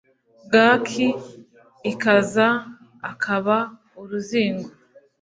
bwaki ikaza akaba uruzingo